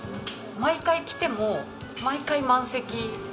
毎回来ても毎回満席。